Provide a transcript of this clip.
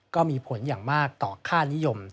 ก็มีผลอย่างมากต่อค่านิยม